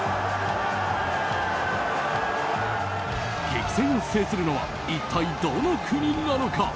激戦を制するのは一体、どの国なのか？